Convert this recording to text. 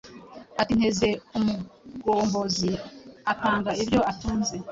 Ati : nteze umugombozi Atanga ibyo atunze,